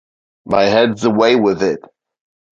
My head's away with it.